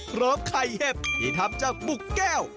ไข่เห็บที่ทำจากบุกแก้ว